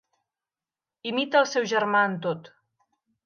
Imita el seu germà en tot.